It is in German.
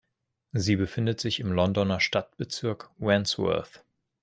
Sie befindet sich im Londoner Stadtbezirk Wandsworth.